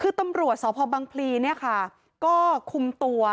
คือตำรวจสภบางพลีเนี่ยกร